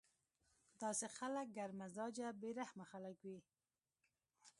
داسې خلک ګرم مزاجه بې رحمه خلک وي